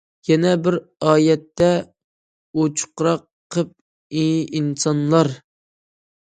يەنە بىر ئايەتتە ئوچۇقراق قىلىپ: ئى ئىنسانلار!